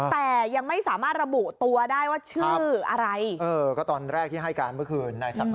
แต่ยังไม่สามารถระบุตัวได้ว่าชื่ออะไร